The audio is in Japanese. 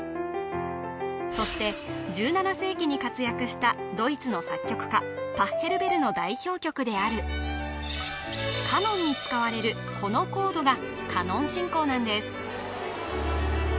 そして１７世紀に活躍したドイツの作曲家パッヘルベルの代表曲である「カノン」に使われるこのコードがカノン進行なんです